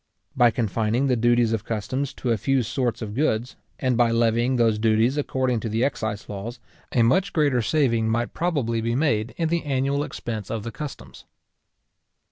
By confining the duties of customs to a few sorts of goods, and by levying those duties according to the excise laws, a much greater saving might probably be made in the annual expense of the customs.